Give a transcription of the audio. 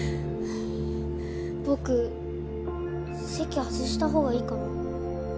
僕席外した方がいいかな。